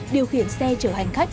điều khiển xe chở hành khách